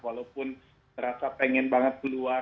walaupun terasa pengen banget keluar